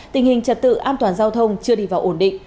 tình hình trật tự an toàn giao thông chưa đi vào ổn định